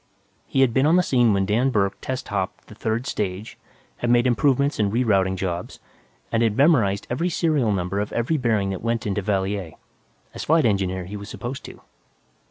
He had been on the scene when Dan Burke test hopped the third stage, had made improvements and re routing jobs, and had memorized every serial number of every bearing that went into Valier. As Flight Engineer, he was supposed to.